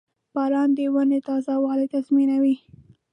• باران د ونو تازهوالی تضمینوي.